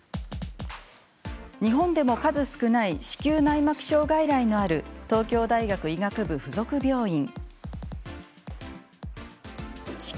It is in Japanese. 日本でも数少ない子宮内膜症外来のある東京大学医学部附属病院。